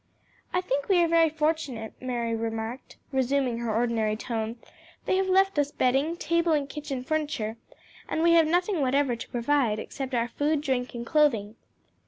"I think we are very fortunate," Mary remarked, resuming her ordinary tone; "they have left us bedding, table and kitchen furniture, and we have nothing whatever to provide except our food, drink and clothing."